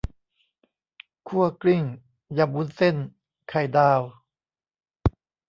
คั่วกลิ้ง ยำวุ้นเส้น ไข่ดาว